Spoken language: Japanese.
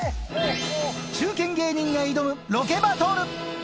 中堅芸人が行くロケバトル。